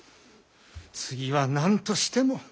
次は何としても！